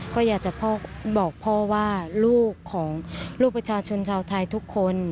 ก็อยากจะบอกพ่อว่าลูกของลูกประชาชนชาวไทยทุกคน